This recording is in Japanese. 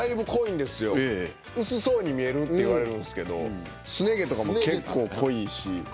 薄そうに見えるって言われるんすけどすね毛とかも結構濃いし。